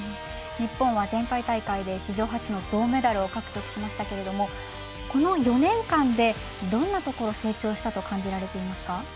日本は前回大会で史上初の銅メダルを獲得しましたがこの４年間で、どんなところ成長したと感じられていますか？